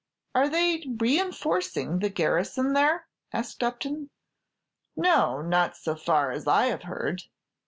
"Are they reinforcing the garrison there?" asked Upton. "No; not so far as I have heard."